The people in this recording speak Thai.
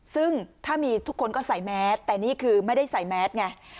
ซึ่งถ้ามีทุกคนก็ใส่แมสแต่นี่คือไม่ได้ใส่แมสไง